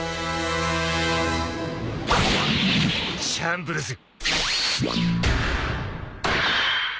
シャンブルズ。